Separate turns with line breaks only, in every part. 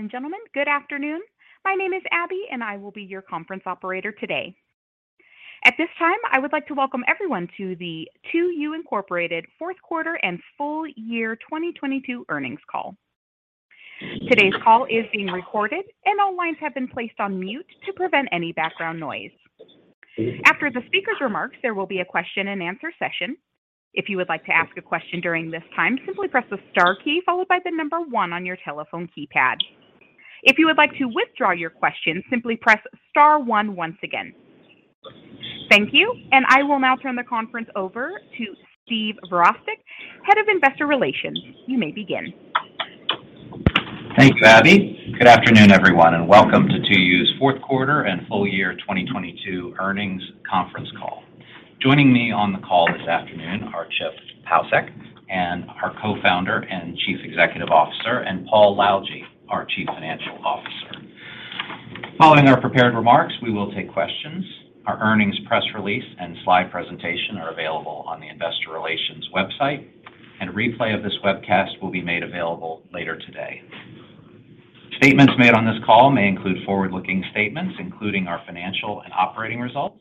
Ladies and gentlemen, good afternoon. My name is Abby, and I will be your conference operator today. At this time, I would like to Welcome Everyone to the 2U, Inc. Q4 and Full Year 2022 Earnings Call. Today's call is being recorded and all lines have been placed on mute to prevent any background noise. After the speaker's remarks, there will be a question and answer session. If you would like to ask a question during this time, simply press the star key followed by the one on your telephone keypad. If you would like to withdraw your question, simply press star one once again. Thank you, and I will now turn the conference over to Steve Virostek, Head of Investor Relations. You may begin.
Thank you, Abby. Good afternoon, everyone, welcome to 2U's Q4 and full year 2022 earnings conference call. Joining me on the call this afternoon are Chip Paucek, our Co-founder and Chief Executive Officer, and Paul Lalljie, our Chief Financial Officer. Following our prepared remarks, we will take questions. Our earnings press release and slide presentation are available on the investor relations website, and a replay of this webcast will be made available later today. Statements made on this call may include forward-looking statements, including our financial and operating results,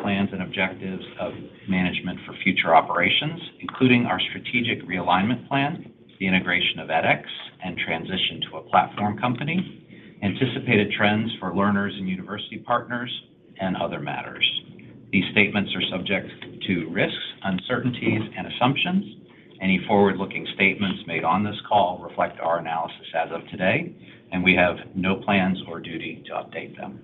plans and objectives of management for future operations, including our strategic realignment plan, the integration of edX, and transition to a platform company, anticipated trends for learners and university partners and other matters. These statements are subject to risks, uncertainties and assumptions. Any forward-looking statements made on this call reflect our analysis as of today, and we have no plans or duty to update them.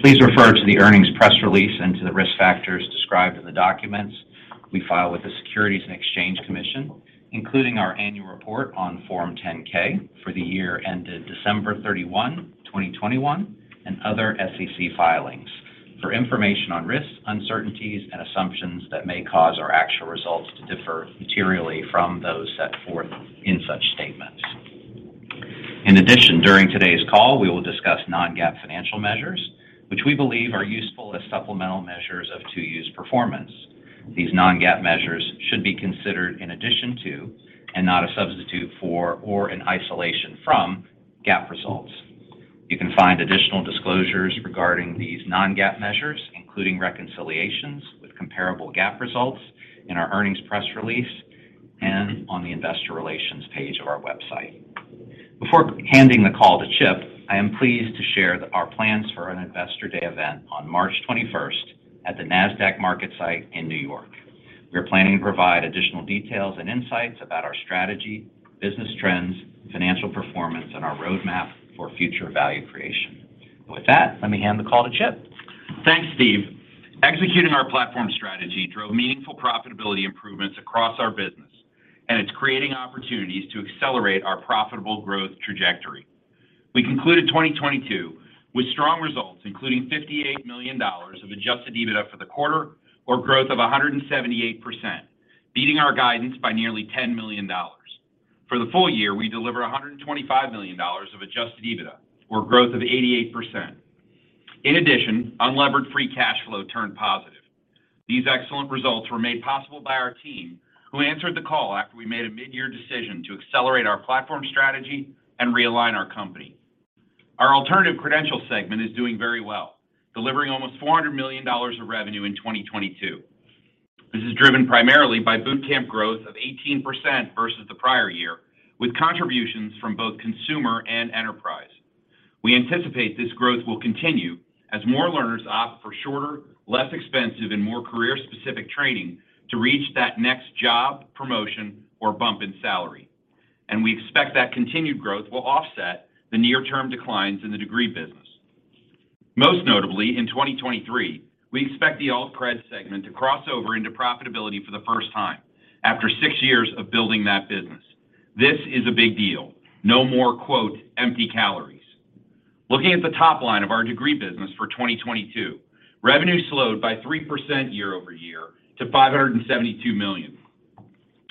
Please refer to the earnings press release and to the risk factors described in the documents we file with the Securities and Exchange Commission, including our annual report on Form 10-K for the year ended 31 December 2021 and other SEC filings for information on risks, uncertainties, and assumptions that may cause our actual results to differ materially from those set forth in such statements. In addition, during today's call, we will discuss non-GAAP financial measures, which we believe are useful as supplemental measures of 2U's performance. These non-GAAP measures should be considered in addition to and not a substitute for or an isolation from GAAP results. You can find additional disclosures regarding these non-GAAP measures, including reconciliations with comparable GAAP results in our earnings press release and on the investor relations page of our website. Before handing the call to Chip, I am pleased to share our plans for an Investor Day event on 21 March 2022 at the Nasdaq MarketSite in New York. We're planning to provide additional details and insights about our strategy, business trends, financial performance, and our roadmap for future value creation. With that, let me hand the call to Chip.
Thanks, Steve. Executing our platform strategy drove meaningful profitability improvements across our business, and it's creating opportunities to accelerate our profitable growth trajectory. We concluded 2022 with strong results, including $58 million of Adjusted EBITDA for the quarter or growth of 178%, beating our guidance by nearly $10 million. For the full year, we delivered $125 million of Adjusted EBITDA, or growth of 88%. In addition, Unlevered Free Cash Flow turned positive. These excellent results were made possible by our team, who answered the call after we made a mid-year decision to accelerate our platform strategy and realign our company. Our Alternative Credentials segment is doing very well, delivering almost $400 million of revenue in 2022. This is driven primarily by bootcamp growth of 18% versus the prior year, with contributions from both consumer and enterprise. We anticipate this growth will continue as more learners opt for shorter, less expensive, and more career-specific training to reach that next job, promotion or bump in salary. We expect that continued growth will offset the near-term declines in the degree business. Most notably, in 2023, we expect the Alt-Cred segment to cross over into profitability for the first time after six years of building that business. This is a big deal. No more, quote, "empty calories." Looking at the top line of our degree business for 2022, revenue slowed by 3% year-over-year to $572 million.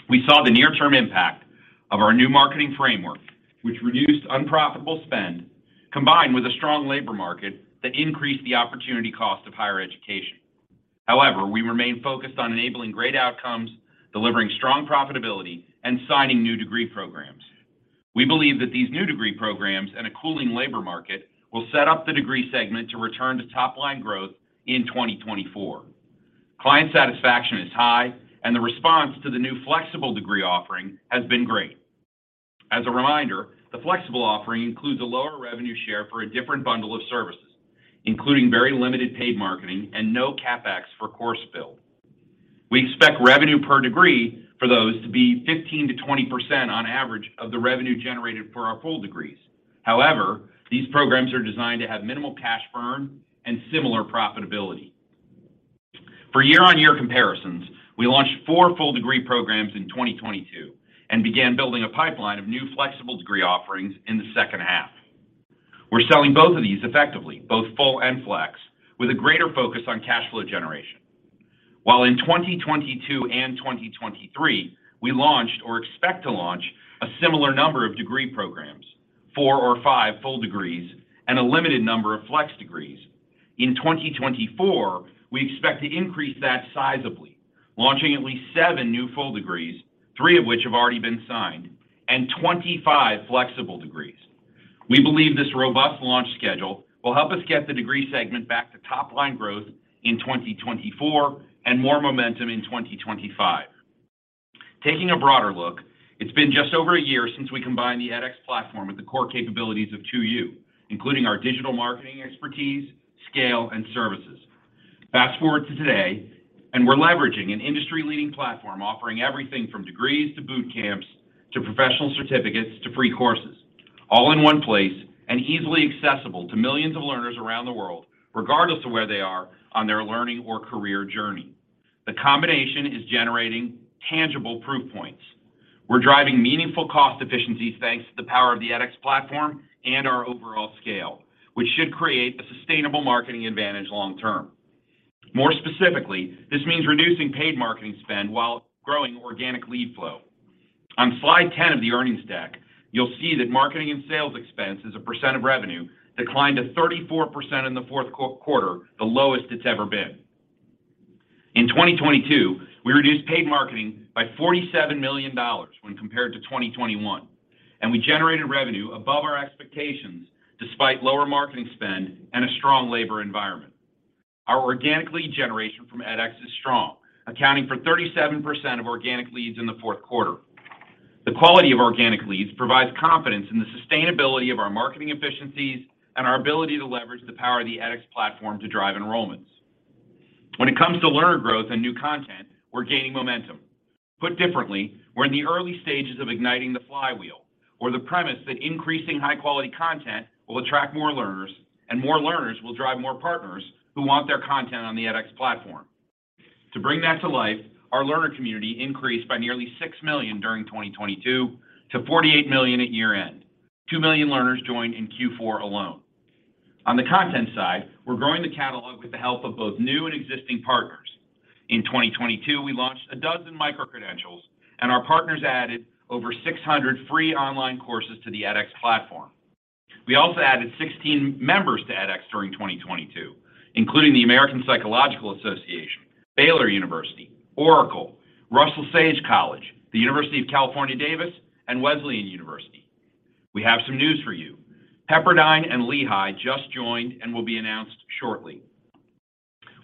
We saw the near-term impact of our new marketing framework, which reduced unprofitable spend combined with a strong labor market that increased the opportunity cost of higher education. We remain focused on enabling great outcomes, delivering strong profitability, and signing new degree programs. We believe that these new degree programs and a cooling labor market will set up the degree segment to return to top-line growth in 2024. Client satisfaction is high, and the response to the new flexible degree offering has been great. As a reminder, the flexible offering includes a lower revenue share for a different bundle of services, including very limited paid marketing and no CapEx for course build. We expect revenue per degree for those to be 15%-20% on average of the revenue generated for our full degrees. These programs are designed to have minimal cash burn and similar profitability. For year-on-year comparisons, we launched four full degree programs in 2022 and began building a pipeline of new flexible degree offerings in the second half. We're selling both of these effectively, both full and flex, with a greater focus on cash flow generation. While in 2022 and 2023, we launched or expect to launch a similar number of degree programs, four or five full degrees and a limited number of flex degrees. In 2024, we expect to increase that sizably, launching at least seven new full degrees, three of which have already been signed, and 25 flexible degrees. We believe this robust launch schedule will help us get the degree segment back to top line growth in 2024 and more momentum in 2025. Taking a broader look, it's been just over a year since we combined the edX platform with the core capabilities of 2U, including our digital marketing expertise, scale, and services. Fast-forward to today, we're leveraging an industry-leading platform offering everything from degrees to boot camps to professional certificates to free courses, all in one place and easily accessible to millions of learners around the world, regardless of where they are on their learning or career journey. The combination is generating tangible proof points. We're driving meaningful cost efficiencies, thanks to the power of the edX platform and our overall scale, which should create a sustainable marketing advantage long-term. More specifically, this means reducing paid marketing spend while growing organic lead flow. On slide 10 of the earnings deck, you'll see that marketing and sales expense as a percent of revenue declined to 34% in the Q4, the lowest it's ever been. In 2022 we reduced paid marketing by $47 million when compared to 2021, and we generated revenue above our expectations despite lower marketing spend and a strong labor environment. Our organic lead generation from edX is strong, accounting for 37% of organic leads in the Q4. The quality of organic leads provides confidence in the sustainability of our marketing efficiencies and our ability to leverage the power of the edX platform to drive enrollments. When it comes to learner growth and new content, we're gaining momentum. Put differently, we're in the early stages of igniting the flywheel or the premise that increasing high-quality content will attract more learners, and more learners will drive more partners who want their content on the edX platform. To bring that to life, our learner community increased by nearly 6 million during 2022 to 48 million at year-end. Two million learners joined in Q4 alone. On the content side, we're growing the catalog with the help of both new and existing partners. In 2022, we launched a dozen micro-credentials, and our partners added over 600 free online courses to the edX platform. We also added 16 members to edX during 2022, including the American Psychological Association, Baylor University, Oracle, Russell Sage College, the University of California, Davis, and Wesleyan University. We have some news for you. Pepperdine and Lehigh just joined and will be announced shortly.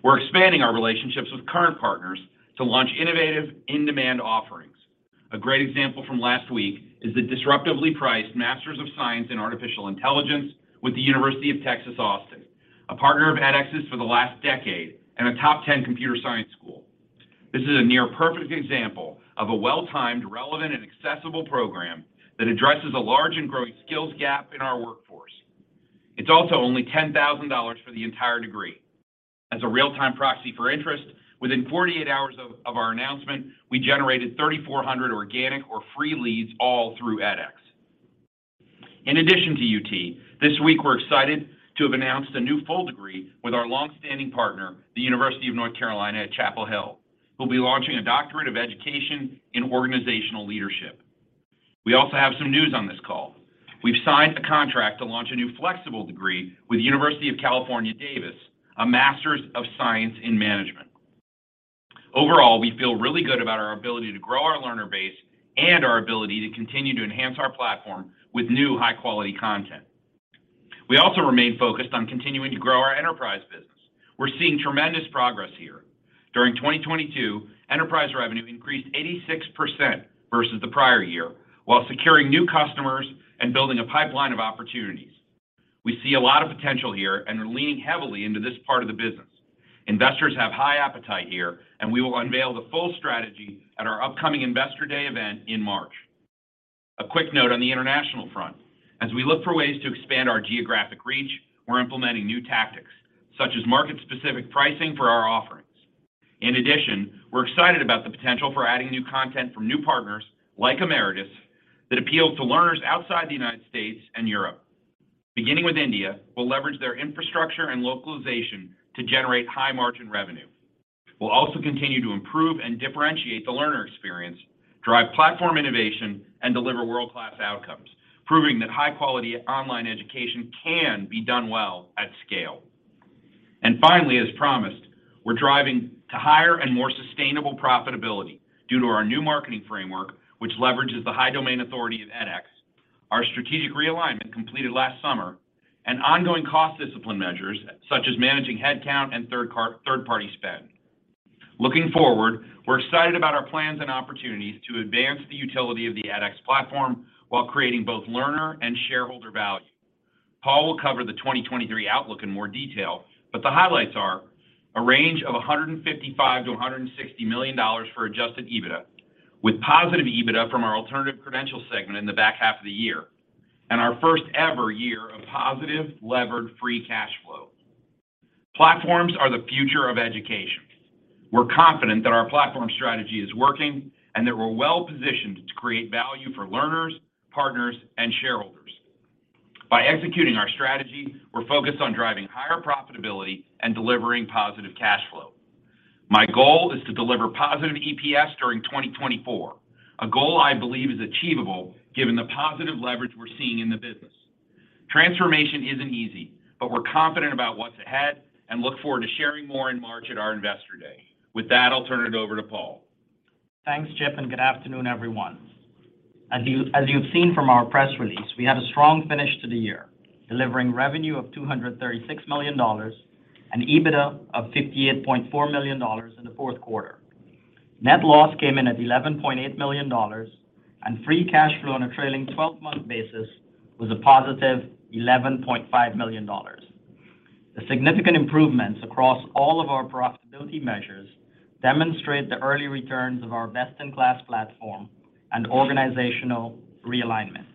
We're expanding our relationships with current partners to launch innovative in-demand offerings. A great example from last week is the disruptively priced Master of Science in Artificial Intelligence with The University of Texas at Austin, a partner of edX's for the last decade and a top 10 computer science school. This is a near-perfect example of a well-timed, relevant, and accessible program that addresses a large and growing skills gap in our workforce. It's also only $10,000 for the entire degree. As a real-time proxy for interest, within 48 hours of our announcement, we generated 3,400 organic or free leads all through edX. In addition to UT, this week we're excited to have announced a new full degree with our long-standing partner, the University of North Carolina at Chapel Hill, who will be launching a Doctor of Education in Organizational Leadership. We also have some news on this call. We've signed a contract to launch a new flexible degree with the University of California, Davis, a Master of Science in Management. Overall, we feel really good about our ability to grow our learner base and our ability to continue to enhance our platform with new high-quality content. We also remain focused on continuing to grow our enterprise business. We're seeing tremendous progress here. During 2022, enterprise revenue increased 86% versus the prior year while securing new customers and building a pipeline of opportunities. We see a lot of potential here and are leaning heavily into this part of the business. Investors have high appetite here, and we will unveil the full strategy at our upcoming Investor Day event in March. A quick note on the international front. As we look for ways to expand our geographic reach, we're implementing new tactics, such as market-specific pricing for our offerings. In addition, we're excited about the potential for adding new content from new partners like Emeritus that appeal to learners outside the United States and Europe. Beginning with India, we'll leverage their infrastructure and localization to generate high-margin revenue. We'll also continue to improve and differentiate the learner experience, drive platform innovation, and deliver world-class outcomes, proving that high-quality online education can be done well at scale. Finally, as promised, we're driving to higher and more sustainable profitability due to our new marketing framework, which leverages the high domain authority of edX, our strategic realignment completed last summer, and ongoing cost discipline measures such as managing headcount and third-party spend. Looking forward, we're excited about our plans and opportunities to advance the utility of the edX platform while creating both learner and shareholder value. Paul will cover the 2023 outlook in more detail, but the highlights are a range of $155 million-$160 million for Adjusted EBITDA, with positive EBITDA from our Alternative Credential segment in the back half of the year, and our first ever year of positive levered free cash flow. Platforms are the future of education. We're confident that our platform strategy is working and that we're well-positioned to create value for learners, partners, and shareholders. By executing our strategy, we're focused on driving higher profitability and delivering positive cash flow. My goal is to deliver positive EPS during 2024, a goal I believe is achievable given the positive leverage we're seeing in the business. Transformation isn't easy, but we're confident about what's ahead and look forward to sharing more in March at our Investor Day. With that, I'll turn it over to Paul.
Thanks, Chip. Good afternoon, everyone. As you've seen from our press release, we had a strong finish to the year, delivering revenue of $236 million and EBITDA of $58.4 million in the Q4. Net loss came in at $11.8 million and free cash flow on a trailing twelve-month basis was a positive $11.5 million. The significant improvements across all of our profitability measures demonstrate the early returns of our best-in-class platform and organizational realignment.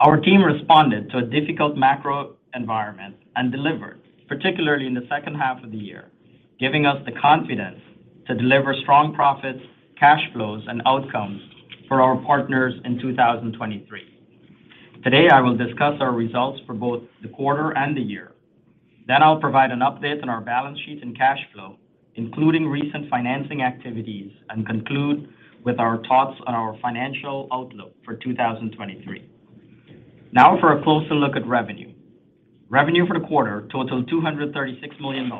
Our team responded to a difficult macro environment and delivered, particularly in the second half of the year, giving us the confidence to deliver strong profits, cash flows, and outcomes for our partners in 2023. Today, I will discuss our results for both the quarter and the year. I'll provide an update on our balance sheet and cash flow, including recent financing activities, and conclude with our thoughts on our financial outlook for 2023. For a closer look at revenue. Revenue for the quarter totaled $236 million,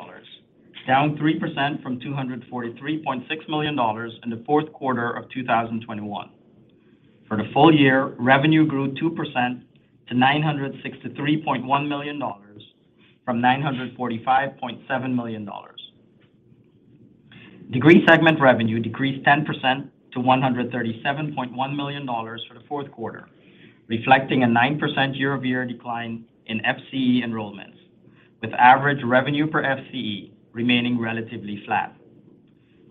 down 3% from $243.6 million in the Q4 of 2021. For the full year, revenue grew 2% to $963.1 million from $945.7 million. Degree segment revenue decreased 10% to $137.1 million for the Q4, reflecting a 9% year-over-year decline in FCE enrollments, with average revenue per FCE remaining relatively flat.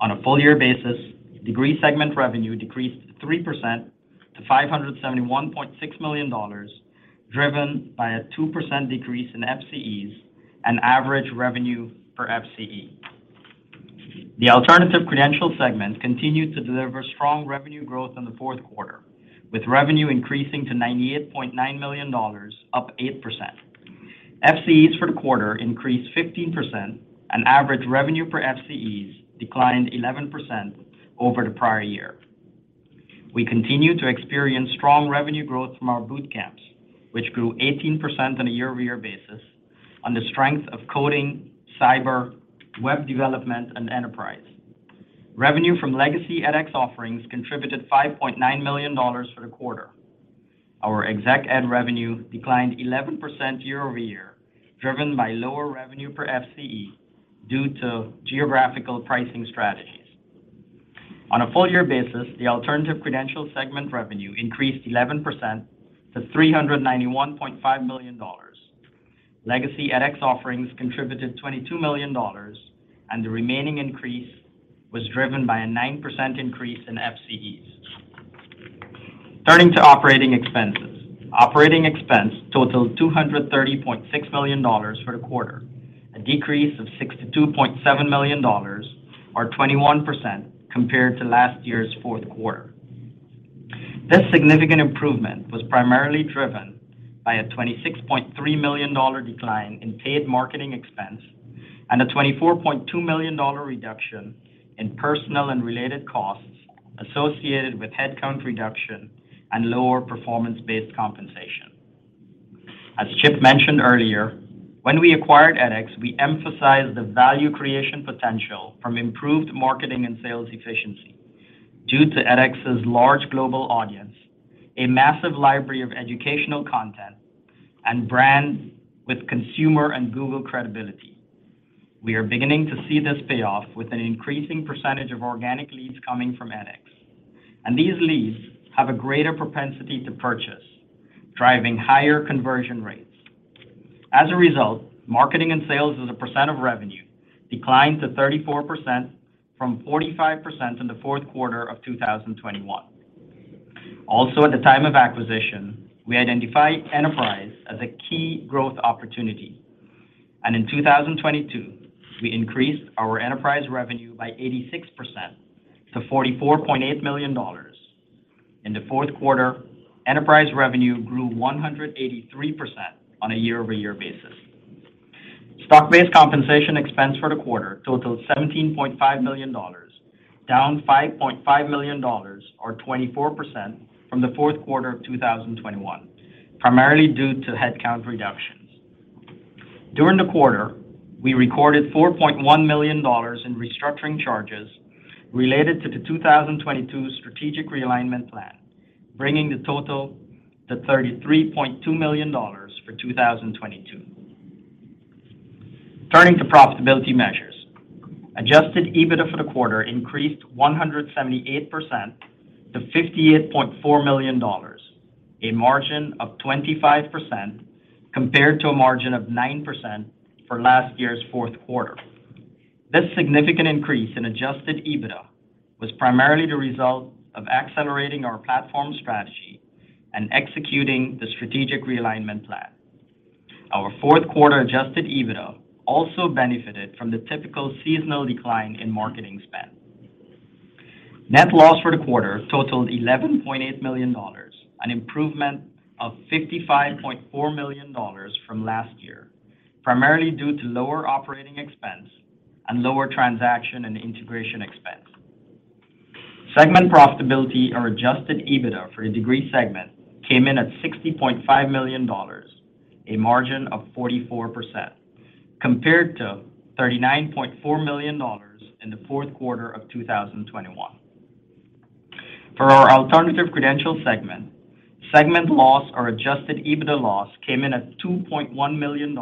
On a full year basis, degree segment revenue decreased 3% to $571.6 million, driven by a 2% decrease in FCEs and average revenue per FCE. The alternative credential segment continued to deliver strong revenue growth in the Q4, with revenue increasing to $98.9 million, up 8%. FCEs for the quarter increased 15% and average revenue per FCEs declined 11% over the prior year. We continue to experience strong revenue growth from our boot camps, which grew 18% on a year-over-year basis on the strength of coding, cyber, web development, and enterprise. Revenue from legacy edX offerings contributed $5.9 million for the quarter. Our Exec Ed revenue declined 11% year-over-year, driven by lower revenue per FCE due to geographical pricing strategies. On a full year basis, the Alternative Credential segment revenue increased 11% to $391.5 million. Legacy edX offerings contributed $22 million, and the remaining increase was driven by a 9% increase in FCEs. Turning to operating expenses. Operating expense totaled $230.6 million for the quarter, a decrease of $62.7 million or 21% compared to last year's Q4. This significant improvement was primarily driven by a $26.3 million decline in paid marketing expense and a $24.2 million reduction in personnel and related costs associated with headcount reduction and lower performance-based compensation. As Chip mentioned earlier, when we acquired edX, we emphasized the value creation potential from improved marketing and sales efficiency due to edX's large global audience, a massive library of educational content, and brands with consumer and Google credibility. We are beginning to see this pay off with an increasing percentage of organic leads coming from edX. These leads have a greater propensity to purchase, driving higher conversion rates. As a result, marketing and sales as a % of revenue declined to 34% from 45% in the Q4 of 2021. Also, at the time of acquisition, we identified enterprise as a key growth opportunity. In 2022, we increased our enterprise revenue by 86% to $44.8 million. In the Q4, enterprise revenue grew 183% on a year-over-year basis. Stock-based compensation expense for the quarter totaled $17.5 million, down $5.5 million or 24% from the Q4 of 2021, primarily due to headcount reductions. During the quarter, we recorded $4.1 million in restructuring charges related to the 2022 strategic realignment plan, bringing the total to $33.2 million for 2022. Turning to profitability measures. Adjusted EBITDA for the quarter increased 178% to $58.4 million, a margin of 25% compared to a margin of 9% for last year's Q4. This significant increase in Adjusted EBITDA was primarily the result of accelerating our platform strategy and executing the strategic realignment plan. Our Q4 Adjusted EBITDA also benefited from the typical seasonal decline in marketing spend. Net loss for the quarter totaled $11.8 million, an improvement of $55.4 million from last year, primarily due to lower operating expense and lower transaction and integration expense. Segment profitability or Adjusted EBITDA for a degree segment came in at $60.5 million, a margin of 44% compared to $39.4 million in the Q4 of 2021. For our Alternative Credential segment loss or Adjusted EBITDA loss came in at $2.1 million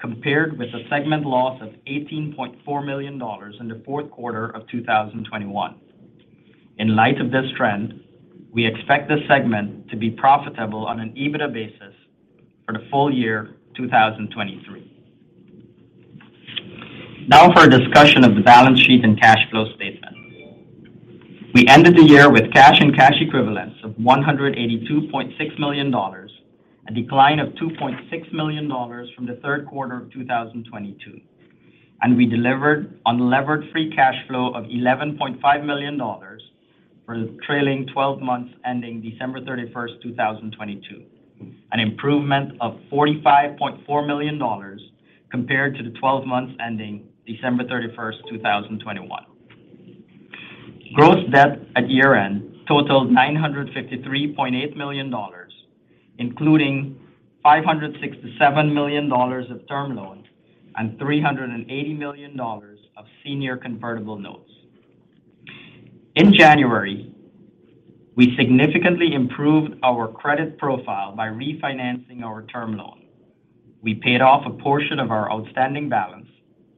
compared with a segment loss of $18.4 million in the Q4 of 2021. In light of this trend, we expect this segment to be profitable on an EBITDA basis for the full year 2023. Now for a discussion of the balance sheet and cash flow statement. We ended the year with cash and cash equivalents of $182.6 million, a decline of $2.6 million from the Q3 of 2022. We delivered unlevered free cash flow of $11.5 million for the trailing 12 months ending 31 December 2022, an improvement of $45.4 million compared to the 12 months ending 31 December 2021. Gross debt at year-end totaled $953.8 million, including $567 million of term loans and $380 million of senior convertible notes. In January, we significantly improved our credit profile by refinancing our term loan. We paid off a portion of our outstanding balance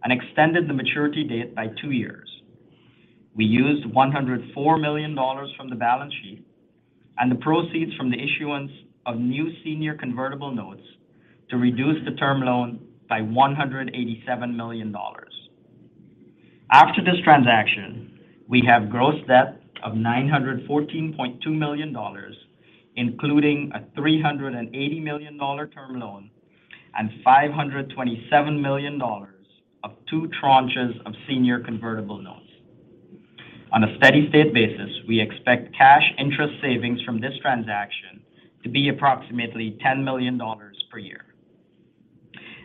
and extended the maturity date by two years. We used $104 million from the balance sheet and the proceeds from the issuance of new senior convertible notes to reduce the term loan by $187 million. After this transaction, we have gross debt of $914.2 million, including a $380 million term loan and $527 million of two tranches of senior convertible notes. On a steady-state basis, we expect cash interest savings from this transaction to be approximately $10 million per year.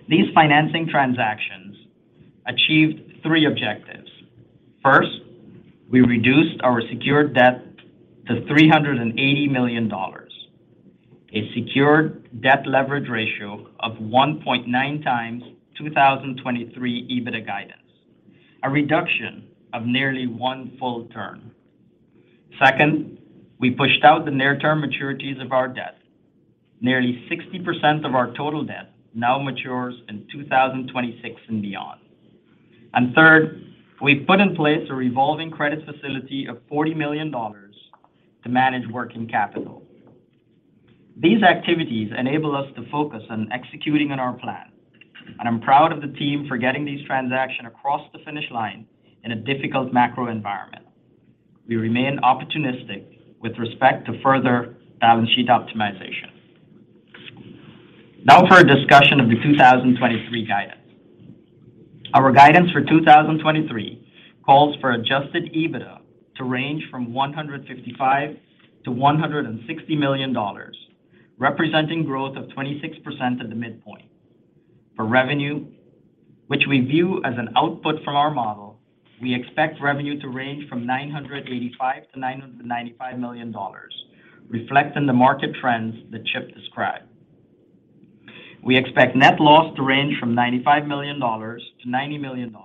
These financing transactions achieved three objectives. First, we reduced our secured debt to $380 million, a secured debt leverage ratio of 1.9x 2023 EBITDA guidance, a reduction of nearly one full term. Second, we pushed out the near-term maturities of our debt. Nearly 60% of our total debt now matures in 2026 and beyond. Third, we put in place a revolving credit facility of $40 million to manage working capital. These activities enable us to focus on executing on our plan, and I'm proud of the team for getting these transaction across the finish line in a difficult macro environment. We remain opportunistic with respect to further balance sheet optimization. Now for a discussion of the 2023 guidance. Our guidance for 2023 calls for Adjusted EBITDA to range from $155 million-$160 million, representing growth of 26% at the midpoint. For revenue, which we view as an output from our model, we expect revenue to range from $985 million-$995 million, reflecting the market trends that Chip described. We expect net loss to range from $95 million-$90 million.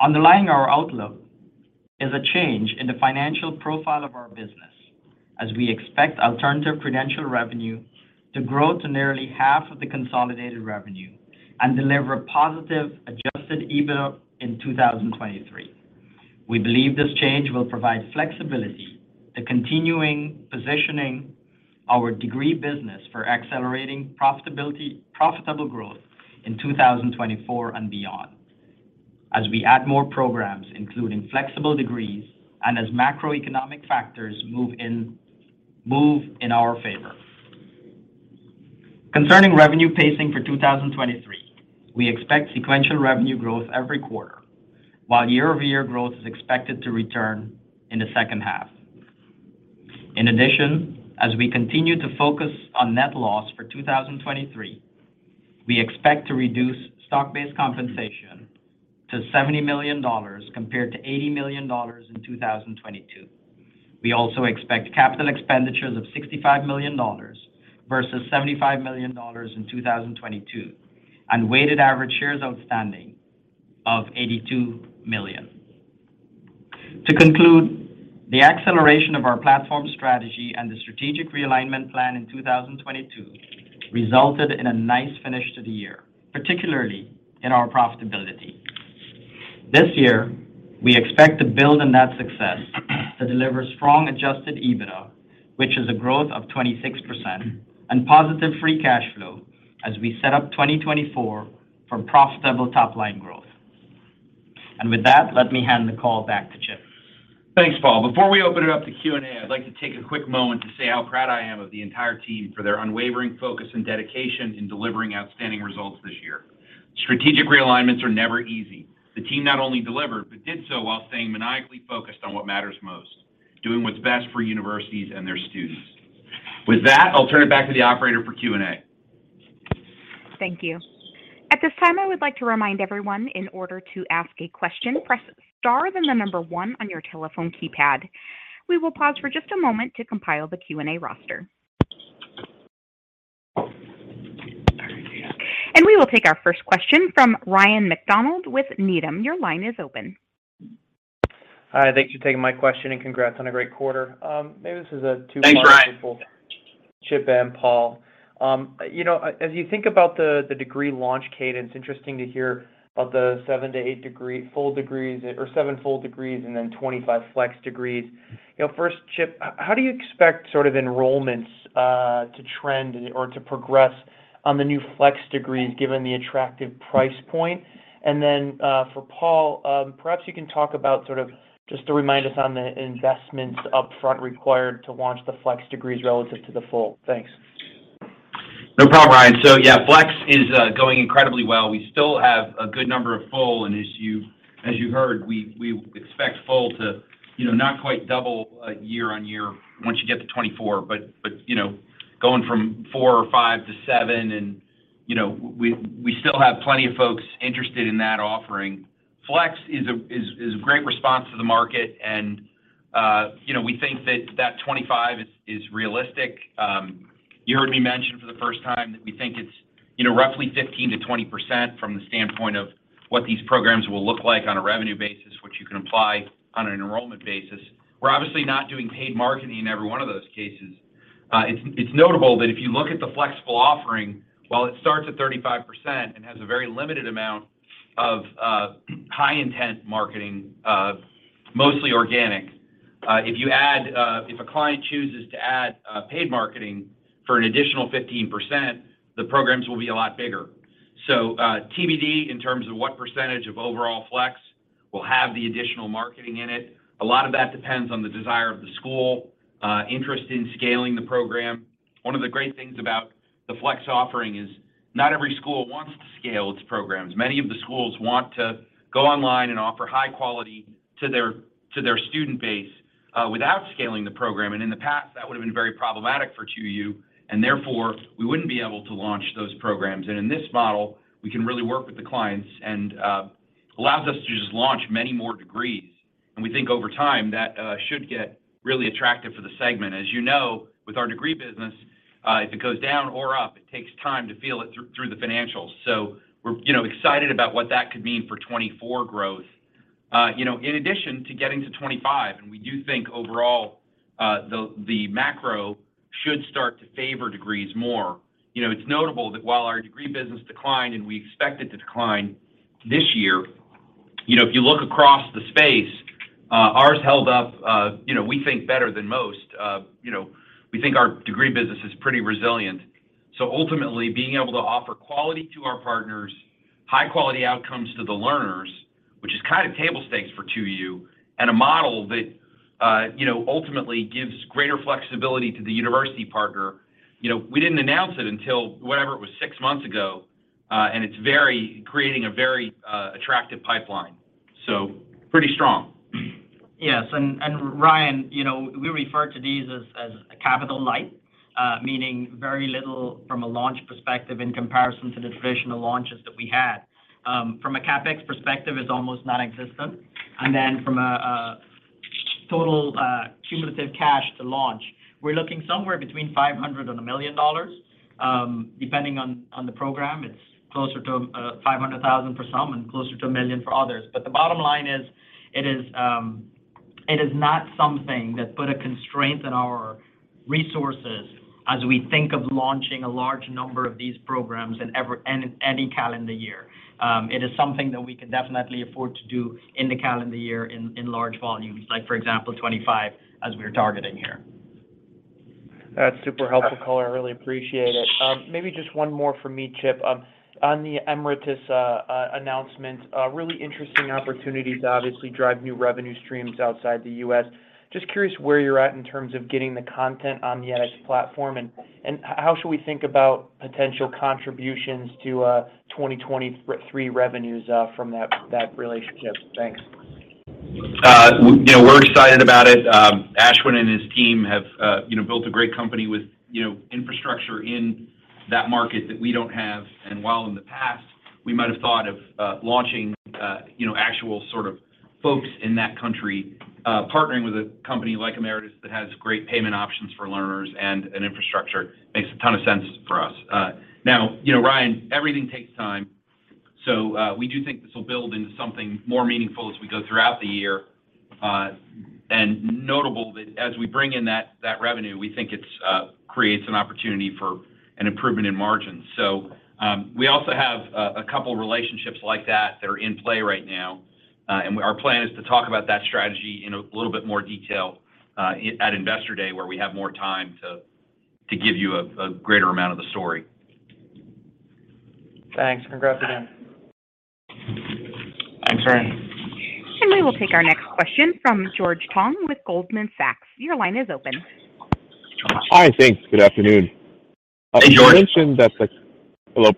Underlying our outlook is a change in the financial profile of our business, as we expect Alternative Credential revenue to grow to nearly half of the consolidated revenue and deliver a positive Adjusted EBITDA in 2023. We believe this change will provide flexibility to continuing positioning our degree business for accelerating profitability, profitable growth in 2024 and beyond as we add more programs, including flexible degrees and as macroeconomic factors move in our favor. Concerning revenue pacing for 2023, we expect sequential revenue growth every quarter, while year-over-year growth is expected to return in the second half. In addition, as we continue to focus on net loss for 2023, we expect to reduce stock-based compensation to $70 million compared to $80 million in 2022. We also expect capital expenditures of $65 million versus $75 million in 2022, and weighted average shares outstanding of $82 million. To conclude, the acceleration of our platform strategy and the strategic realignment plan in 2022 resulted in a nice finish to the year, particularly in our profitability. This year, we expect to build on that success to deliver strong Adjusted EBITDA, which is a growth of 26% and positive free cash flow as we set up 2024 for profitable top-line growth. With that, let me hand the call back to Chip.
Thanks, Paul. Before we open it up to Q&A, I'd like to take a quick moment to say how proud I am of the entire team for their unwavering focus and dedication in delivering outstanding results this year. Strategic realignments are never easy. The team not only delivered, but did so while staying maniacally focused on what matters most, doing what's best for universities and their students. With that, I'll turn it back to the operator for Q&A.
Thank you. At this time, I would like to remind everyone in order to ask a question, press star, then the number one on your telephone keypad. We will pause for just a moment to compile the Q&A roster. We will take our first question from Ryan MacDonald with Needham. Your line is open.
Hi, thank you for taking my question. Congrats on a great quarter. Maybe this is a two-part-
Thanks, Ryan.
Chip and Paul. You know, as you think about the degree launch cadence, interesting to hear of the seven to eight full degrees or seven full degrees and then 25 flex degrees. You know, first, Chip, how do you expect sort of enrollments to trend or to progress on the new flex degrees given the attractive price point? For Paul, perhaps you can talk about sort of just to remind us on the investments upfront required to launch the flex degrees relative to the full. Thanks.
No problem, Ryan. Yeah, flex is going incredibly well. We still have a good number of full, and as you heard, we expect full to, you know, not quite double year-over-year once you get to 2024, but, you know, going from four or five to seven and, you know, we still have plenty of folks interested in that offering. Flex is a great response to the market and, you know, we think that 25 is realistic. You heard me mention for the first time that we think it's, you know, roughly 15%-20% from the standpoint of what these programs will look like on a revenue basis, which you can apply on an enrollment basis. We're obviously not doing paid marketing in every one of those cases. It's, it's notable that if you look at the flexible offering, while it starts at 35% and has a very limited amount of high intent marketing, mostly organic, if you add, if a client chooses to add paid marketing for an additional 15%, the programs will be a lot bigger. TBD in terms of what percentage of overall flex will have the additional marketing in it. A lot of that depends on the desire of the school, interest in scaling the program. One of the great things about the flex offering is not every school wants to scale its programs. Many of the schools want to go online and offer high quality to their, to their student base, without scaling the program. In the past, that would have been very problematic for 2U, and therefore we wouldn't be able to launch those programs. In this model, we can really work with the clients and allows us to just launch many more degrees. We think over time, that should get really attractive for the segment. As you know, with our degree business, if it goes down or up, it takes time to feel it through the financials. We're, you know, excited about what that could mean for 2024 growth, you know, in addition to getting to 2025, and we do think overall, the macro should start to favor degrees more. You know, it's notable that while our degree business declined, and we expect it to decline this year, you know, if you look across the space, ours held up, you know, we think better than most. You know, we think our degree business is pretty resilient. Ultimately, being able to offer quality to our partners, high quality outcomes to the learners, which is kind of table stakes for 2U and a model that, you know, ultimately gives greater flexibility to the university partner. You know, we didn't announce it until, whatever it was, six months ago, and it's creating a very, attractive pipeline. Pretty strong.
Yes. Ryan, you know, we refer to these as a capital light, meaning very little from a launch perspective in comparison to the traditional launches that we had. From a CapEx perspective, it's almost nonexistent. From a total, cumulative cash to launch, we're looking somewhere between $500 and $1 million, depending on the program. It's closer to $500,000 for some and closer to $1 million for others. The bottom line is, it is not something that put a constraint on our resources as we think of launching a large number of these programs in any calendar year. It is something that we can definitely afford to do in the calendar year in large volumes, like for example, 25 as we are targeting here.
That's super helpful, Paul. I really appreciate it. Maybe just one more for me, Chip. On the Emeritus announcement, really interesting opportunity to obviously drive new revenue streams outside the U.S. Just curious where you're at in terms of getting the content on the edX platform and how should we think about potential contributions to 2023 revenues from that relationship? Thanks.
You know, we're excited about it. Ashwin and his team have, you know, built a great company with, you know, infrastructure in that market that we don't have. While in the past, we might have thought of, launching, you know, actual sort of folks in that country, partnering with a company like Emeritus that has great payment options for learners and an infrastructure makes a ton of sense for us. You know, Ryan, everything takes time, we do think this will build into something more meaningful as we go throughout the year. Notable that as we bring in that revenue, we think it's creates an opportunity for an improvement in margins. We also have a couple relationships like that that are in play right now. Our plan is to talk about that strategy in a little bit more detail at Investor Day, where we have more time to give you a greater amount of the story.
Thanks. Congrats again.
Thanks, Ryan.
We will take our next question from George Tong with Goldman Sachs. Your line is open.
Hi, thanks. Good afternoon.
Hi, George.
Hello.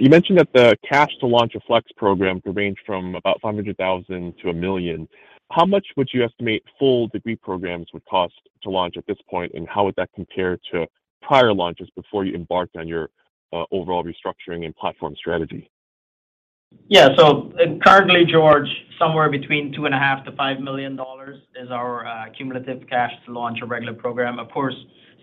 You mentioned that the cash to launch a flex program could range from about $500,000-$1 million. How much would you estimate full degree programs would cost to launch at this point, and how would that compare to prior launches before you embarked on your overall restructuring and platform strategy?
Yeah. Currently, George, somewhere between $2.5 million-$5 million is our cumulative cash to launch a regular program. Of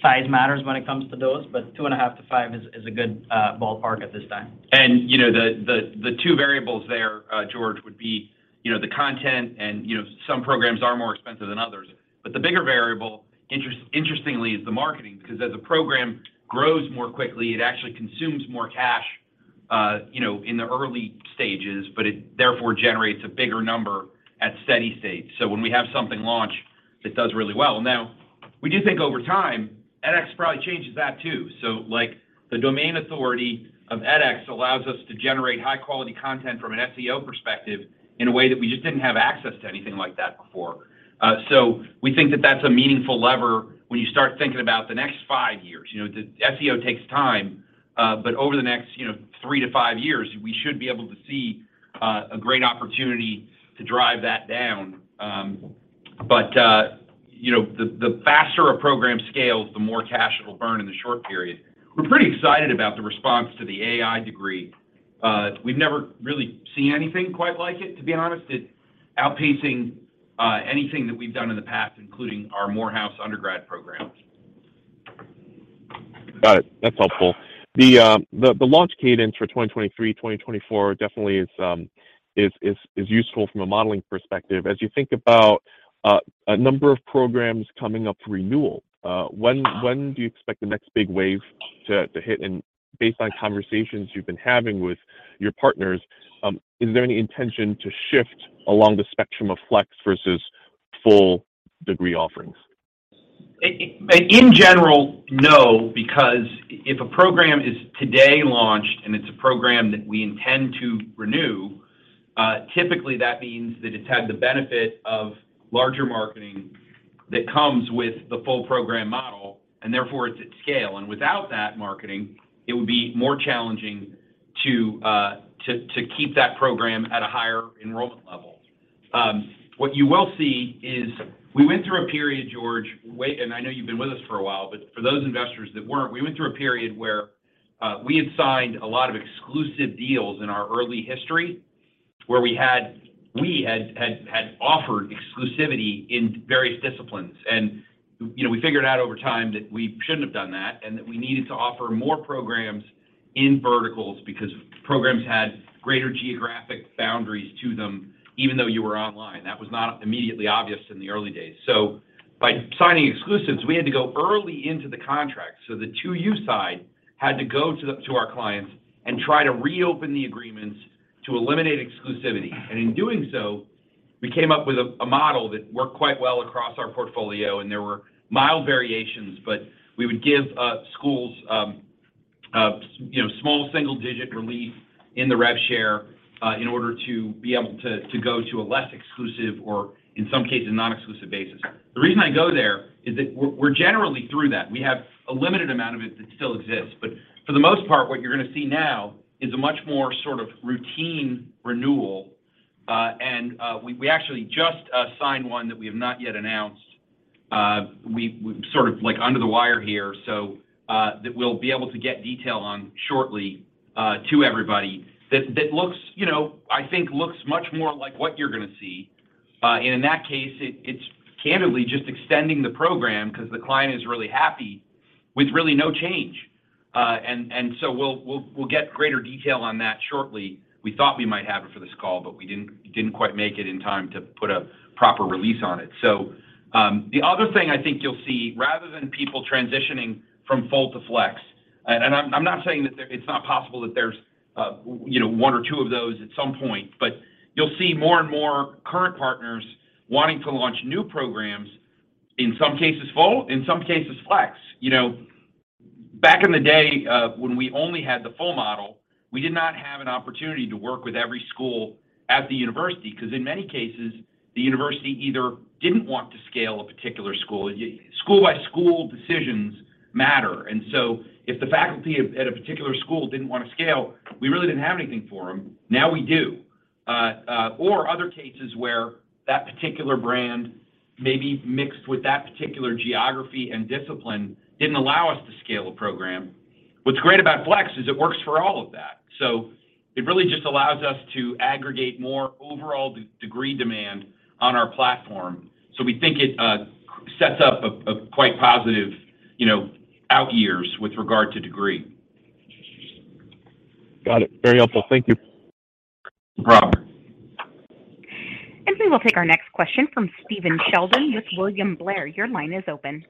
course, size matters when it comes to those, but $2.5-$5 is a good ballpark at this time.
You know, the two variables there, George, would be, you know, the content and, you know, some programs are more expensive than others. The bigger variable, interestingly, is the marketing, because as a program grows more quickly, it actually consumes more cash, you know, in the early stages, but it therefore generates a bigger number at steady state. When we have something launch, it does really well. Now, we do think over time, edX probably changes that, too. The domain authority of edX allows us to generate high-quality content from an SEO perspective in a way that we just didn't have access to anything like that before. We think that that's a meaningful lever when you start thinking about the next five years. You know, the SEO takes time, but over the next, you know, three to five years, we should be able to see a great opportunity to drive that down. But, you know, the faster a program scales, the more cash it'll burn in the short period. We're pretty excited about the response to the AI degree. We've never really seen anything quite like it, to be honest. It's outpacing anything that we've done in the past, including our Morehouse undergrad programs.
Got it. That's helpful. The launch cadence for 2023, 2024 definitely is useful from a modeling perspective. As you think about a number of programs coming up for renewal, when do you expect the next big wave to hit? Based on conversations you've been having with your partners, is there any intention to shift along the spectrum of flex versus full degree offerings?
In general, no, because if a program is today launched and it's a program that we intend to renew, typically that means that it's had the benefit of larger marketing that comes with the full program model, and therefore it's at scale. Without that marketing, it would be more challenging to keep that program at a higher enrollment level. What you will see is we went through a period, George, I know you've been with us for a while, but for those investors that weren't, we went through a period where we had signed a lot of exclusive deals in our early history where we had offered exclusivity in various disciplines. You know, we figured out over time that we shouldn't have done that and that we needed to offer more programs in verticals because programs had greater geographic boundaries to them, even though you were online. That was not immediately obvious in the early days. By signing exclusives, we had to go early into the contract. The 2U side had to go to our clients and try to reopen the agreements to eliminate exclusivity. In doing so, we came up with a model that worked quite well across our portfolio, and there were mild variations, but we would give schools, you know, small single-digit relief in the rev share in order to be able to go to a less exclusive or in some cases, non-exclusive basis. The reason I go there is that we're generally through that. We have a limited amount of it that still exists. For the most part, what you're gonna see now is a much more sort of routine renewal. We actually just signed one that we have not yet announced. We sort of like under the wire here, so that we'll be able to get detail on shortly, to everybody that looks, you know, I think looks much more like what you're gonna see. In that case, it's candidly just extending the program 'cause the client is really happy with really no change. So we'll get greater detail on that shortly. We thought we might have it for this call, we didn't quite make it in time to put a proper release on it. The other thing I think you'll see, rather than people transitioning from full to flex, and I'm not saying that it's not possible that there's, you know, one or two of those at some point. You'll see more and more current partners wanting to launch new programs, in some cases full, in some cases flex. Back in the day, when we only had the full model, we did not have an opportunity to work with every school at the university, 'cause in many cases, the university either didn't want to scale a particular school. School by school decisions matter. If the faculty at a particular school didn't wanna scale, we really didn't have anything for them. Now we do. Or other cases where that particular brand may be mixed with that particular geography and discipline didn't allow us to scale a program. What's great about flex is it works for all of that. It really just allows us to aggregate more overall degree demand on our platform. We think it sets up a quite positive, you know, out years with regard to degree.
Got it. Very helpful. Thank you.
No problem.
We will take our next question from Stephen Sheldon with William Blair. Your line is open.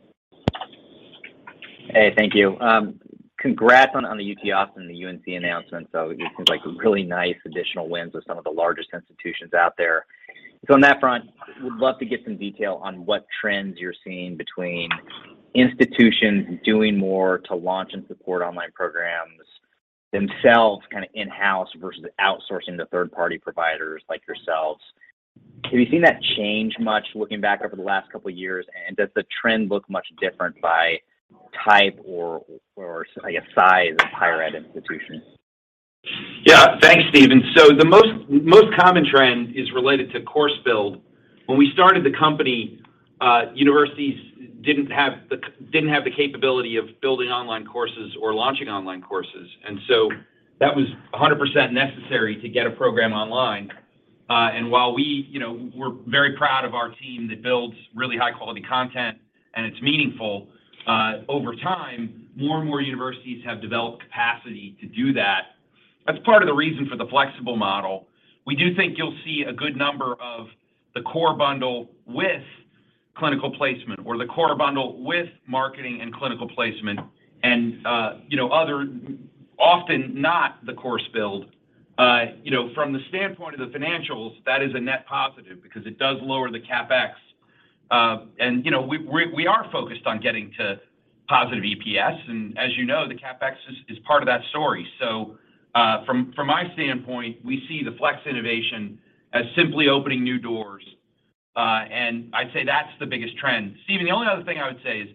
Hey, thank you. Congrats on the UT Austin and the UNC announcement. It seems like really nice additional wins with some of the largest institutions out there. On that front, would love to get some detail on what trends you're seeing between institutions doing more to launch and support online programs themselves kind of in-house versus outsourcing to third-party providers like yourselves. Have you seen that change much looking back over the last couple years? Does the trend look much different by type or I guess size of higher ed institutions?
Yeah. Thanks, Stephen. The most common trend is related to course build. When we started the company, universities didn't have the capability of building online courses or launching online courses. That was 100% necessary to get a program online. While we, you know, we're very proud of our team that builds really high quality content and it's meaningful, over time, more and more universities have developed capacity to do that. That's part of the reason for the flexible model. We do think you'll see a good number of the core bundle with clinical placement or the core bundle with marketing and clinical placement and, you know, other, often not the course build. You know, from the standpoint of the financials, that is a net positive because it does lower the CapEx. You know, we are focused on getting to positive EPS, and as you know, the CapEx is part of that story. From my standpoint, we see the flex innovation as simply opening new doors. I'd say that's the biggest trend. Stephen, the only other thing I would say is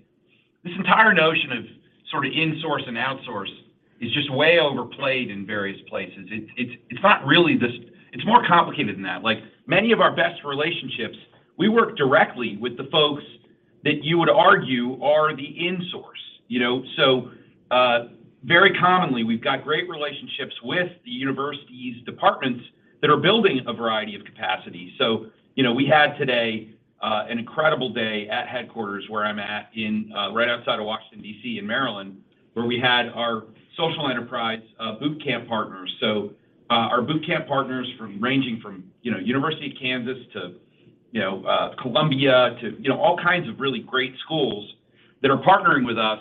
this entire notion of sort of insource and outsource is just way overplayed in various places. It's not really this. It's more complicated than that. Like, many of our best relationships, we work directly with the folks that you would argue are the insource, you know? Very commonly, we've got great relationships with the university's departments that are building a variety of capacities. You know, we had today, an incredible day at headquarters where I'm at in, right outside of Washington, D.C. in Maryland, where we had our social enterprise, bootcamp partners. Our bootcamp partners from ranging from, you know, University of Kansas to, you know, Columbia, to, you know, all kinds of really great schools that are partnering with us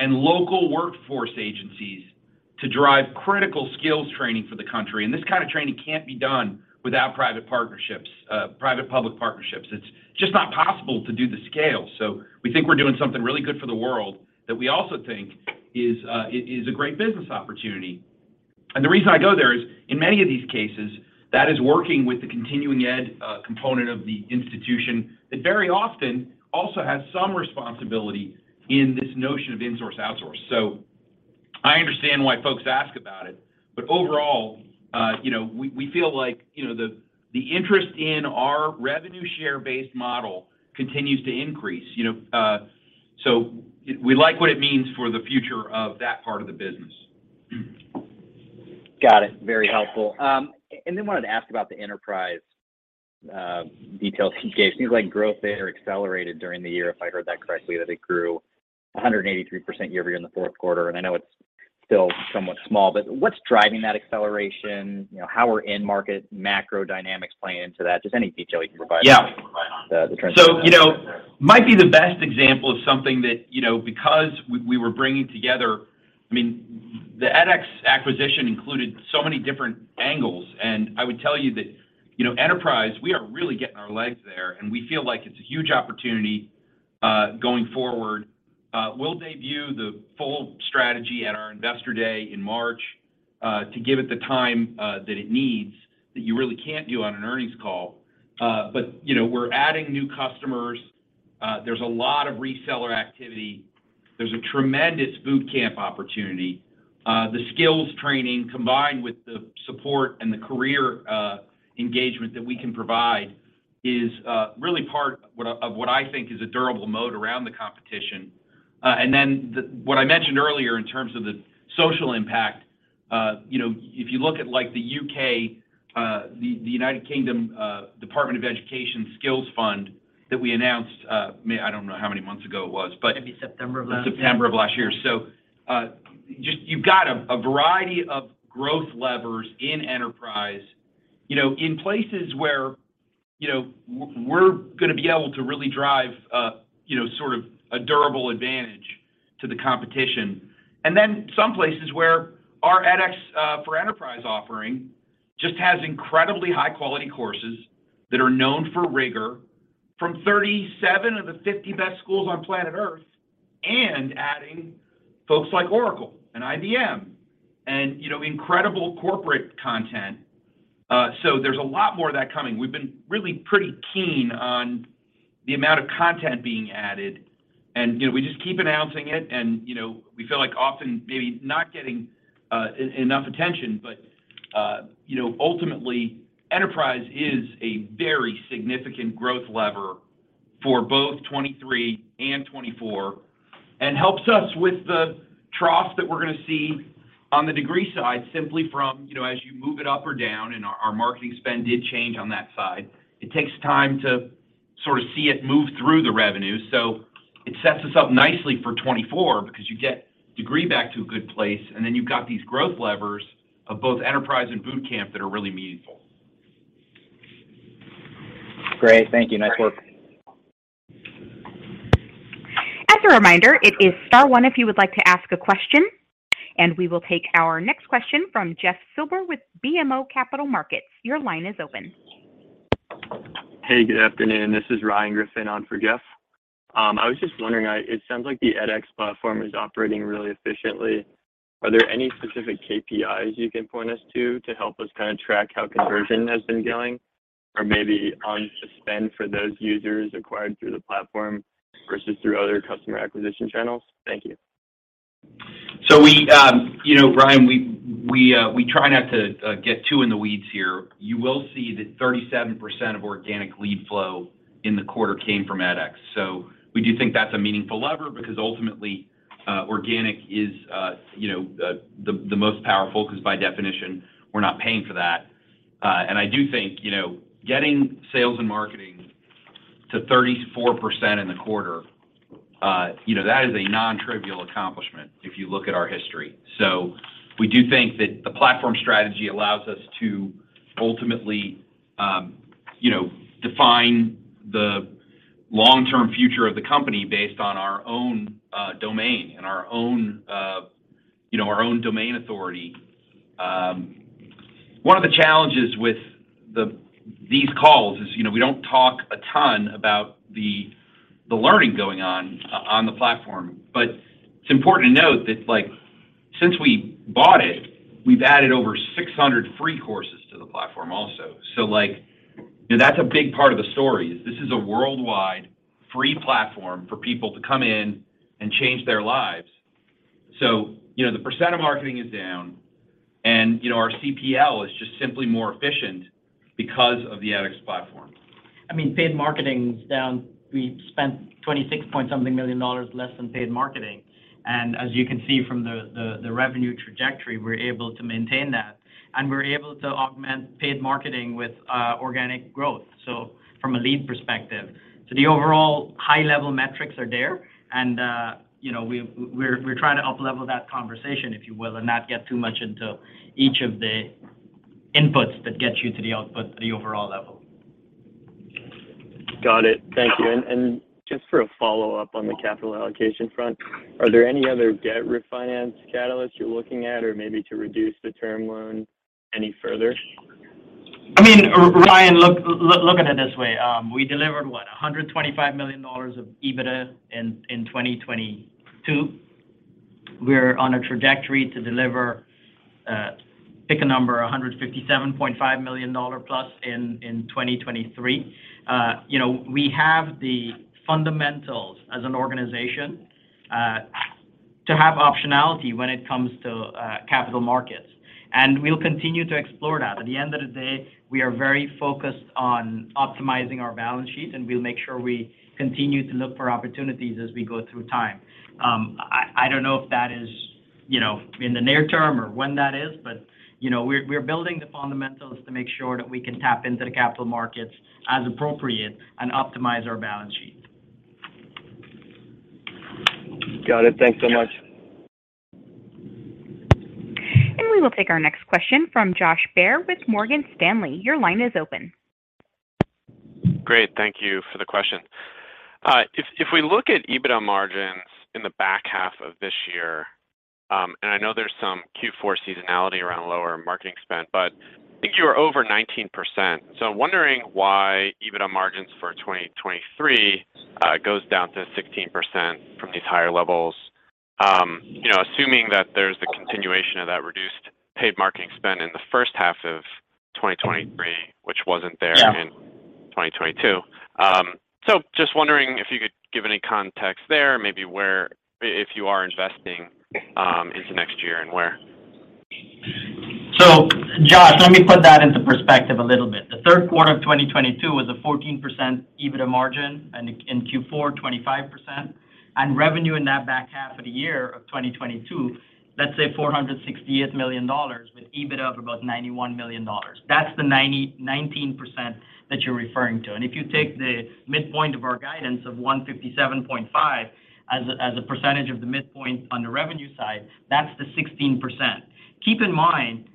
and local workforce agencies to drive critical skills training for the country. This kind of training can't be done without private partnerships, private-public partnerships. It's just not possible to do the scale. We think we're doing something really good for the world that we also think is a great business opportunity. The reason I go there is, in many of these cases, that is working with the continuing ed component of the institution that very often also has some responsibility in this notion of insource, outsource. I understand why folks ask about it, but overall, you know, we feel like, you know, the interest in our revenue share-based model continues to increase, you know. We like what it means for the future of that part of the business.
Got it. Very helpful. Then wanted to ask about the enterprise details you gave. Seems like growth there accelerated during the year, if I heard that correctly, that it grew 183% year-over-year in the Q4, I know it's still somewhat small, but what's driving that acceleration? You know, how are end market macro dynamics playing into that? Just any detail you can provide on the trends.
You know, might be the best example of something that, you know, because we were bringing together, I mean, the edX acquisition included so many different angles, I would tell you that, you know, enterprise, we are really getting our legs there. We feel like it's a huge opportunity going forward. We'll debut the full strategy at our Investor Day in March to give it the time that it needs that you really can't do on an earnings call. You know, we're adding new customers. There's a lot of reseller activity. There's a tremendous bootcamp opportunity. The skills training combined with the support and the career engagement that we can provide is really part of what I think is a durable moat around the competition. What I mentioned earlier in terms of the social impact, you know, if you look at like the U.K., the United Kingdom, Department for Education Skills Bootcamps that we announced, I don't know how many months ago it was.
Maybe September of last year.
September of last year. Just you've got a variety of growth levers in Enterprise, you know, in places where, you know, we're gonna be able to really drive, you know, sort of a durable advantage to the competition. Then some places where our edX for Enterprise offering just has incredibly high quality courses that are known for rigor from 37 of the 50 best schools on planet Earth, and adding folks like Oracle and IBM and, you know, incredible corporate content. There's a lot more of that coming. We've been really pretty keen on the amount of content being added and, you know, we just keep announcing it and, you know, we feel like often maybe not getting enough attention. you know, ultimately, Enterprise is a very significant growth lever for both 2023 and 2024, and helps us with the trough that we're gonna see on the degree side simply from, you know, as you move it up or down, and our marketing spend did change on that side. It takes time to sort of see it move through the revenue. It sets us up nicely for 2024 because you get degree back to a good place, and then you've got these growth levers of both Enterprise and Bootcamp that are really meaningful.
Great. Thank you. Nice work.
As a reminder, it is star one if you would like to ask a question. We will take our next question from Jeff Silber with BMO Capital Markets. Your line is open
Hey, good afternoon. This is Ryan Griffin on for Jeff. I was just wondering, it sounds like the edX platform is operating really efficiently. Are there any specific KPIs you can point us to help us kinda track how conversion has been going or maybe on the spend for those users acquired through the platform versus through other customer acquisition channels? Thank you.
We, you know, Ryan, we try not to get too in the weeds here. You will see that 37% of organic lead flow in the quarter came from edX. We do think that's a meaningful lever because ultimately, organic is, you know, the most powerful 'cause by definition we're not paying for that. I do think, you know, getting sales and marketing to 34% in the quarter, you know, that is a non-trivial accomplishment if you look at our history. We do think that the platform strategy allows us to ultimately, you know, define the long-term future of the company based on our own domain and our own, you know, our own domain authority. One of the challenges with these calls is, you know, we don't talk a ton about the learning going on the platform. It's important to note that like, since we bought it, we've added over 600 free courses to the platform also. Like, you know, that's a big part of the story is this is a worldwide free platform for people to come in and change their lives. You know, the percent of marketing is down and, you know, our CPL is just simply more efficient because of the edX platform.
I mean, paid marketing's down. We spent $26 point something million less than paid marketing. As you can see from the revenue trajectory, we're able to maintain that, and we're able to augment paid marketing with organic growth. From a lead perspective. The overall high-level metrics are there and, you know, we're trying to uplevel that conversation, if you will, and not get too much into each of the inputs that get you to the output at the overall level.
Got it. Thank you. Just for a follow-up on the capital allocation front, are there any other debt refinance catalysts you're looking at or maybe to reduce the term loan any further?
I mean, Ryan, look at it this way. We delivered what? $125 million of EBITDA in 2022. We're on a trajectory to deliver, pick a number, $157.5 million+ in 2023. You know, we have the fundamentals as an organization to have optionality when it comes to capital markets. We'll continue to explore that. At the end of the day, we are very focused on optimizing our balance sheet, and we'll make sure we continue to look for opportunities as we go through time. I don't know if that is, you know, in the near term or when that is, you know, we're building the fundamentals to make sure that we can tap into the capital markets as appropriate and optimize our balance sheet.
Got it. Thanks so much.
We will take our next question from Josh Baer with Morgan Stanley. Your line is open.
Great. Thank you for the question. If we look at EBITDA margins in the back half of this year, I know there's some Q4 seasonality around lower marketing spend, but I think you were over 19%. I'm wondering why EBITDA margins for 2023 goes down to 16% from these higher levels. You know, assuming that there's the continuation of that reduced paid marketing spend in the first half of 2023, which wasn't there in 2022. just wondering if you could give any context there, maybe if you are investing, into next year and where?
Josh, let me put that into perspective a little bit. The Q3 of 2022 was a 14% EBITDA margin and in Q4, 25%. Revenue in that back half of the year of 2022, let's say $468 million with EBITDA of about $91 million. That's the 19% that you're referring to. If you take the midpoint of our guidance of $157.5 million as a percentage of the midpoint on the revenue side, that's the 16%. Keep in mind,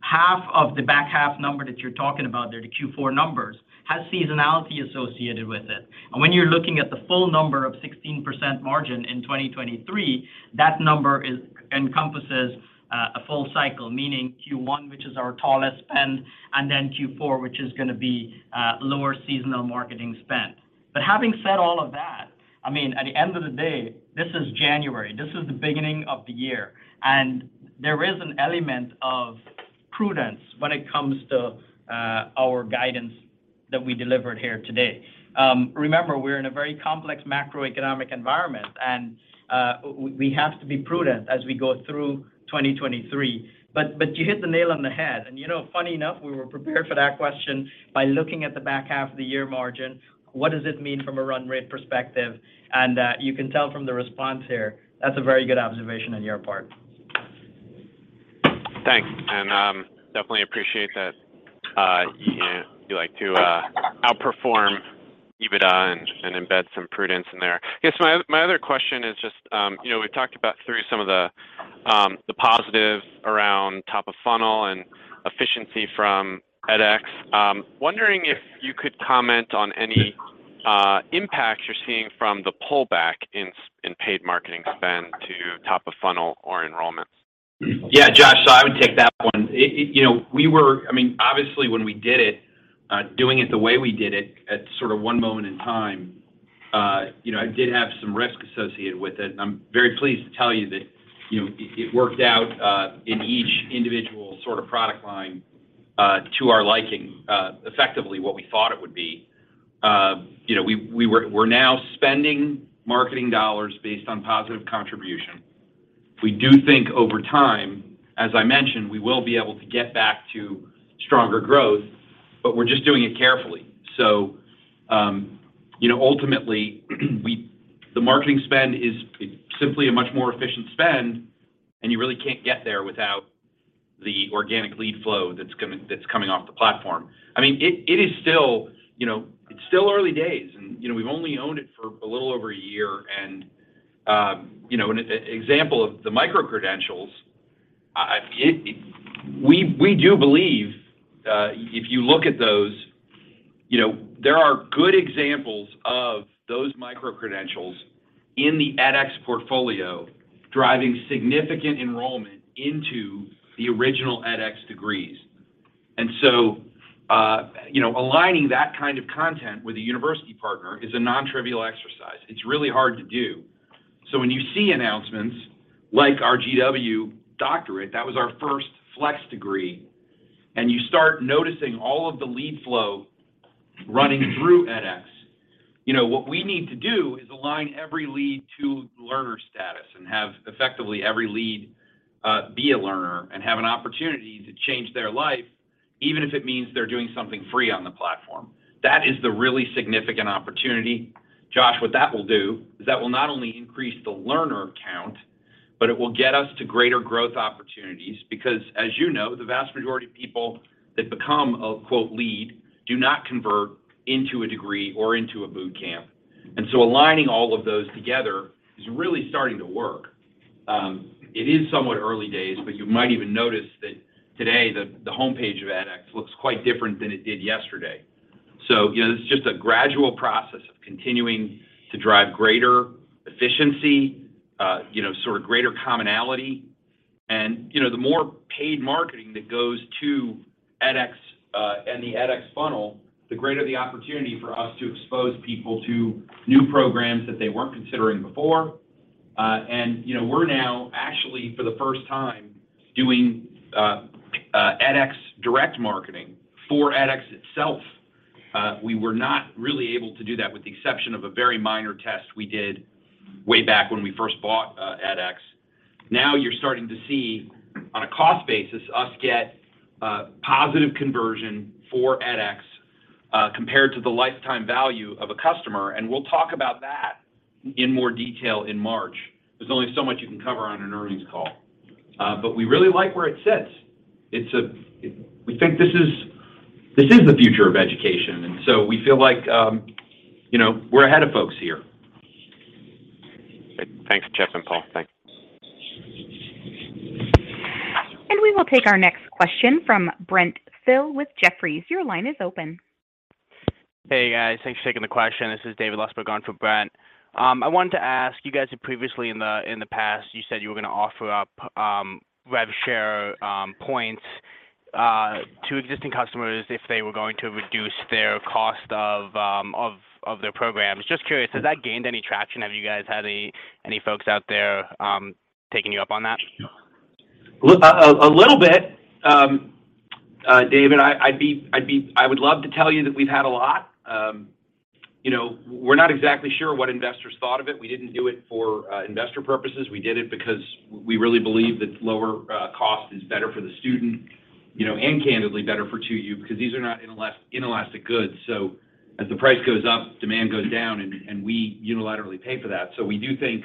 half of the back half number that you're talking about there, the Q4 numbers, has seasonality associated with it. When you're looking at the full number of 16% margin in 2023, that number encompasses a full cycle, meaning Q1, which is our tallest spend, and then Q4, which is gonna be lower seasonal marketing spend. Having said all of that, I mean, at the end of the day, this is January, this is the beginning of the year. There is an element of prudence when it comes to our guidance that we delivered here today. Remember, we're in a very complex macroeconomic environment and we have to be prudent as we go through 2023. You hit the nail on the head. You know, funny enough, we were prepared for that question by looking at the back half of the year margin. What does it mean from a run rate perspective, you can tell from the response here, that's a very good observation on your part.
Thanks. Definitely appreciate that, you like to, outperform EBITDA and embed some prudence in there. I guess my other question is just, you know, we've talked about through some of the positive around top of funnel and efficiency from edX. Wondering if you could comment on impact you're seeing from the pullback in paid marketing spend to top of funnel or enrollment?
Josh, I would take that one. It, you know, we I mean, obviously, when we did it, doing it the way we did it at sort of one moment in time, you know, it did have some risk associated with it. I'm very pleased to tell you that, you know, it worked out in each individual sort of product line to our liking, effectively what we thought it would be. You know, we're now spending marketing dollars based on positive contribution. We do think over time, as I mentioned, we will be able to get back to stronger growth, we're just doing it carefully. You know, ultimately, the marketing spend is simply a much more efficient spend, and you really can't get there without the organic lead flow that's coming off the platform. I mean, it is still, you know, it's still early days and, you know, we've only owned it for a little over a year. You know, an example of the microcredentials, we do believe, if you look at those, you know, there are good examples of those microcredentials in the edX portfolio driving significant enrollment into the original edX degrees. You know, aligning that kind of content with a university partner is a non-trivial exercise. It's really hard to do. When you see announcements like our GW Doctorate, that was our first Flex degree, and you start noticing all of the lead flow running through edX, you know, what we need to do is align every lead to learner status and have effectively every lead be a learner and have an opportunity to change their life, even if it means they're doing something free on the platform. That is the really significant opportunity. Josh, what that will do is that will not only increase the learner count, but it will get us to greater growth opportunities because as you know, the vast majority of people that become a, quote, "lead" do not convert into a degree or into a bootcamp. Aligning all of those together is really starting to work. It is somewhat early days, but you might even notice that today the homepage of edX looks quite different than it did yesterday. You know, it's just a gradual process of continuing to drive greater efficiency, you know, sort of greater commonality. You know, the more paid marketing that goes to edX and the edX funnel, the greater the opportunity for us to expose people to new programs that they weren't considering before. You know, we're now actually for the first time doing edX direct marketing for edX itself. We were not really able to do that with the exception of a very minor test we did way back when we first bought edX. Now you're starting to see on a cost basis us get positive conversion for edX compared to the lifetime value of a customer, and we'll talk about that in more detail in March. There's only so much you can cover on an earnings call. We really like where it sits. We think this is the future of education, and so we feel like, you know, we're ahead of folks here.
Thanks, Chip and Paul. Thanks.
We will take our next question from Brent Thill with Jefferies. Your line is open.
Hey, guys. Thanks for taking the question. This is David Lustberg on for Brent. I wanted to ask, you guys had previously in the, in the past, you said you were gonna offer up rev share points to existing customers if they were going to reduce their cost of their programs. Just curious, has that gained any traction? Have you guys had any folks out there taking you up on that?
A little bit, David. I would love to tell you that we've had a lot. You know, we're not exactly sure what investors thought of it. We didn't do it for investor purposes. We did it because we really believe that lower cost is better for the student, you know, and candidly better for 2U because these are not inelastic goods. As the price goes up, demand goes down and we unilaterally pay for that. We do think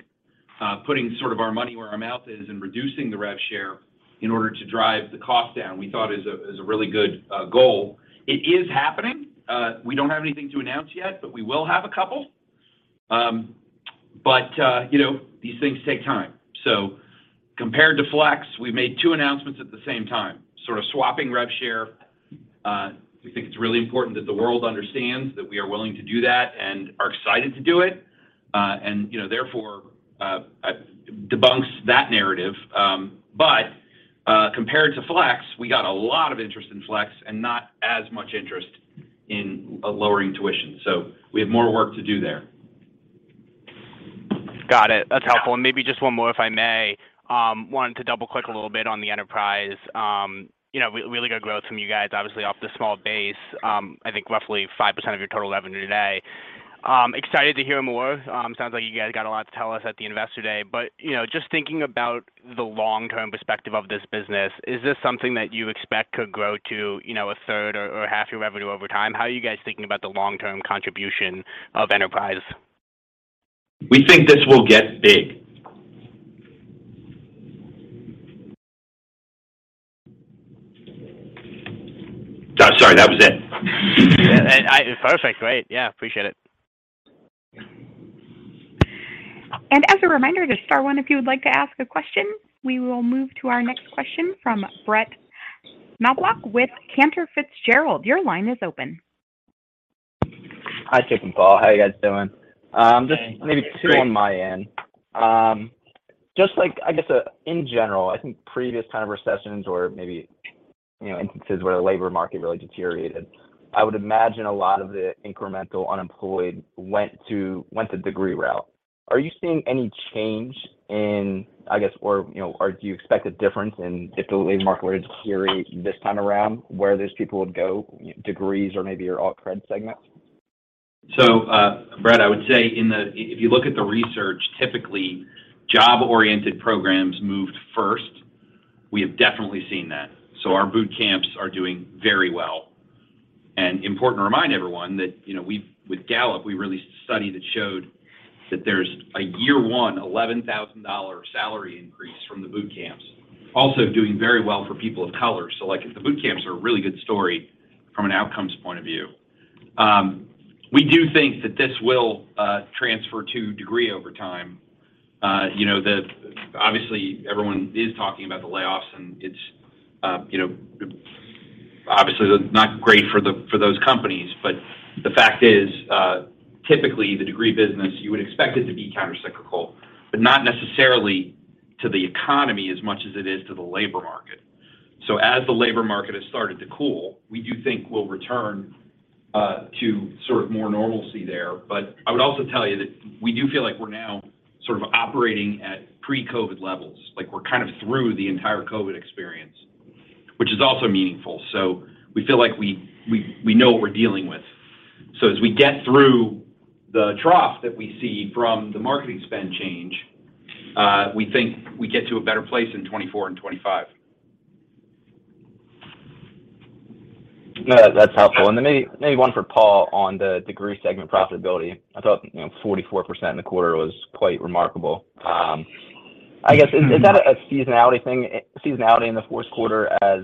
putting sort of our money where our mouth is and reducing the rev share in order to drive the cost down, we thought is a really good goal. It is happening. We don't have anything to announce yet, but we will have a couple. You know, these things take time. Compared to Flex, we made two announcements at the same time, sort of swapping rev share. We think it's really important that the world understands that we are willing to do that and are excited to do it. You know, therefore, debunks that narrative. Compared to Flex, we got a lot of interest in Flex and not as much interest in lowering tuition. We have more work to do there.
Got it. That's helpful. Maybe just one more, if I may. wanted to double-click a little bit on the enterprise. you know, really good growth from you guys, obviously off the small base, I think roughly 5% of your total revenue today. Excited to hear more. Sounds like you guys got a lot to tell us at the Investor Day. You know, just thinking about the long-term perspective of this business, is this something that you expect could grow to, you know, 1/3 or 1/2 your revenue over time? How are you guys thinking about the long-term contribution of enterprise?
We think this will get big. Sorry, that was it.
Yeah. Perfect. Great. Yeah, appreciate it.
As a reminder to star one if you would like to ask a question. We will move to our next question from Brett Knoblauch with Cantor Fitzgerald. Your line is open.
Hi, Chip and Paul. How you guys doing? Just maybe two on my end. Just like, I guess, in general, I think previous kind of recessions or maybe, you know, instances where the labor market really deteriorated, I would imagine a lot of the incremental unemployed went the degree route. Are you seeing any change in, I guess, or, you know, or do you expect a difference in if the labor market were to deteriorate this time around where those people would go, degrees or maybe your Alt-Cred segment?
Brett, I would say if you look at the research, typically job-oriented programs moved first. We have definitely seen that. Our boot camps are doing very well. Important to remind everyone that, you know, with Gallup, we released a study that showed that there's a year one $11,000 salary increase from the boot camps. Also doing very well for people of color. Like, the boot camps are a really good story from an outcomes point of view. We do think that this will transfer to degree over time. you know, obviously everyone is talking about the layoffs and it's, you know, obviously not great for those companies. The fact is, typically the degree business, you would expect it to be countercyclical, but not necessarily to the economy as much as it is to the labor market. As the labor market has started to cool, we do think we'll return to sort of more normalcy there. I would also tell you that we do feel like we're now sort of operating at pre-COVID levels. Like, we're kind of through the entire COVID experience, which is also meaningful. We feel like we know what we're dealing with. As we get through the trough that we see from the marketing spend change, we think we get to a better place in 2024 and 2025.
No, that's helpful. Maybe one for Paul on the degree segment profitability. I thought, you know, 44% in the quarter was quite remarkable. I guess, is that a seasonality thing in the Q4 as,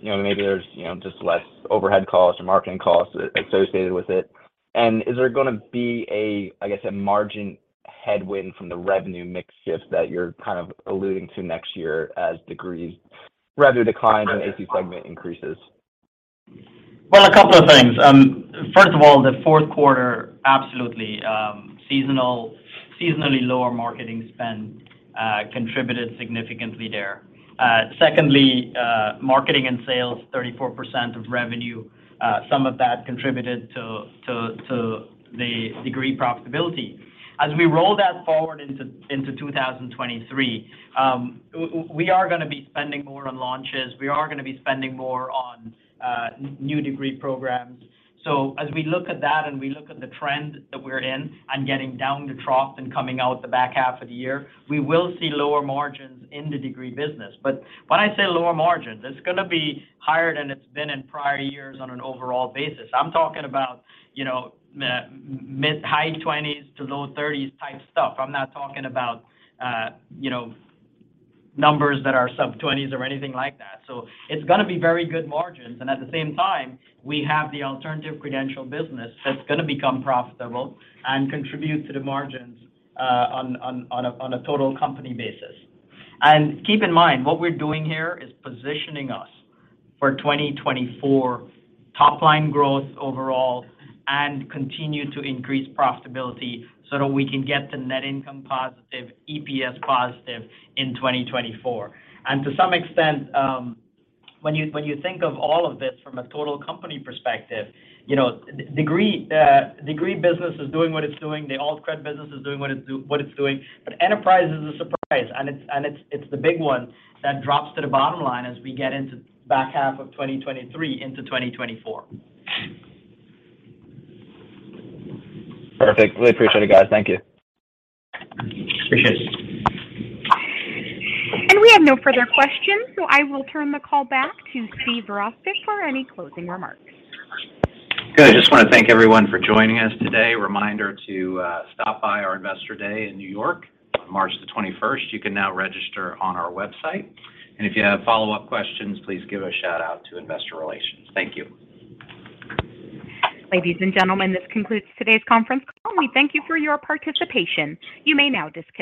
you know, maybe there's, you know, just less overhead costs or marketing costs associated with it? Is there gonna be a, I guess, a margin headwind from the revenue mix shift that you're kind of alluding to next year as degrees revenue declines and AC segment increases?
A couple of things. First of all, the Q4, absolutely, seasonally lower marketing spend, contributed significantly there. Secondly, marketing and sales, 34% of revenue, some of that contributed to the degree profitability. As we roll that forward into 2023, we are gonna be spending more on launches. We are gonna be spending more on new degree programs. As we look at that and we look at the trend that we're in on getting down the trough and coming out the back half of the year, we will see lower margins in the degree business. When I say lower margins, it's gonna be higher than it's been in prior years on an overall basis. I'm talking about, you know, mid-high 20s to low 30s type stuff. I'm not talking about, you know, numbers that are sub 20s or anything like that. It's gonna be very good margins. At the same time, we have the Alternative Credential business that's gonna become profitable and contribute to the margins on a total company basis. Keep in mind, what we're doing here is positioning us for 2024 top line growth overall and continue to increase profitability so that we can get to net income positive, EPS positive in 2024. To some extent, when you think of all of this from a total company perspective, you know, degree business is doing what it's doing. The alt-cred business is doing what it's doing. Enterprise is a surprise, it's the big one that drops to the bottom line as we get into back half of 2023 into 2024.
Perfect. Really appreciate it, guys. Thank you.
Appreciate it.
We have no further questions, so I will turn the call back to Stephen Virostek for any closing remarks.
Good. Just wanna thank everyone for joining us today. Reminder to stop by our Investor Day in New York on 21 March 2022. You can now register on our website. If you have follow-up questions, please give a shout-out to investor relations. Thank you.
Ladies and gentlemen, this concludes today's conference call. We thank you for your participation. You may now disconnect.